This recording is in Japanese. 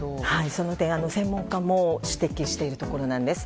その点、専門家も指摘しているところなんです。